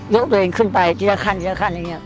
ยกตัวเองขึ้นไปทีละขั้นอะไรอย่างนี้